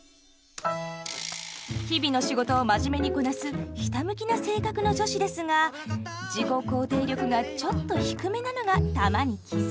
日々の仕事を真面目にこなすひたむきな性格の女子ですが自己肯定力がちょっと低めなのが玉にきず。